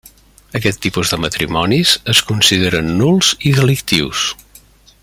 Aquest tipus de matrimonis es consideren nuls i delictius.